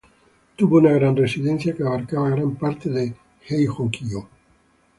Tuvo una gran residencia que abarcaba gran parte de Heijō-kyō.